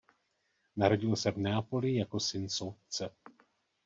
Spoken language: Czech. Narodil se v Neapoli jako syn soudce.